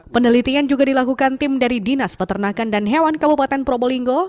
penelitian juga dilakukan tim dari dinas peternakan dan hewan kabupaten probolinggo